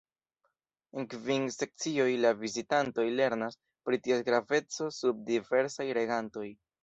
En kvin sekcioj la vizitantoj lernas pri ties graveco sub diversaj regantoj.